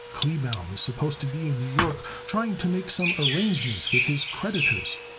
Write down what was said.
Kleebaum is supposed to be in New York trying to make some arrangements with his creditors.